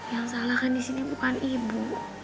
yang salah kan disini bukan ibu